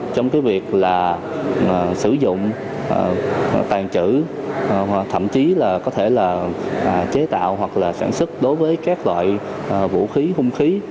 trong việc sử dụng tàn trữ thậm chí có thể chế tạo hoặc sản xuất đối với các loại vũ khí hung khí